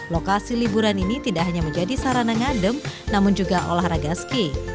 lokasi liburan ini tidak hanya menjadi sarana ngadem namun juga olahraga ski